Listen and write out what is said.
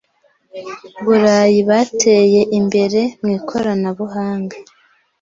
Burayi bateye imbere mu ikoranabuhanga